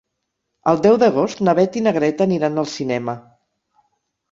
El deu d'agost na Beth i na Greta aniran al cinema.